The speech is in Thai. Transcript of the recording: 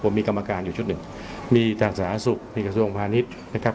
ผมมีกรรมการอยู่ชุดหนึ่งมีทางสาธารณสุขมีกระทรวงพาณิชย์นะครับ